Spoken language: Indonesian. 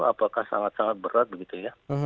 apakah sangat sangat berat begitu ya